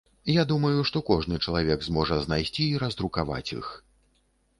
Я думаю, што кожны чалавек зможа знайсці і раздрукаваць іх.